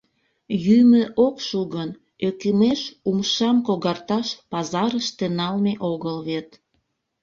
Йӱмӧ ок шу гын, ӧкымеш умшам когарташ пазарыште налме огыл вет.